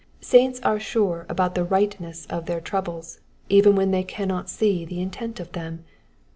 Saints are sure about the rightness of their troubles, even when they cannot see the intent of them.